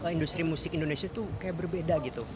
industri musik indonesia tuh kayak berbeda gitu